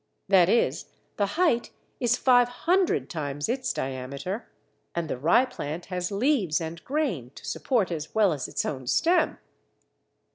That is, the height is five hundred times its diameter, and the Ryeplant has leaves and grain to support as well as its own stem!